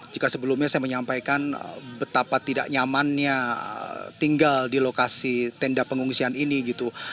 jika sebelumnya saya menyampaikan betapa tidak nyamannya tinggal di lokasi tenda pengungsian ini gitu